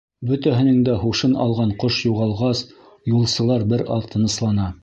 Бөтәһенең дә һушын алған ҡош юғалғас, юлсылар бер аҙ тыныслана.